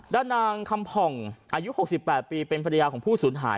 ด้านนางคำผ่องอายุ๖๘ปีเป็นภรรยาของผู้สูญหาย